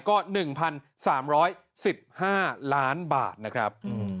ก็๑๓๑๕ล้านบาทนะครับ